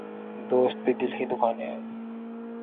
دوست بھی دل ہی دکھانے آئے